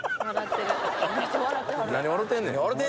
何わろてんねん。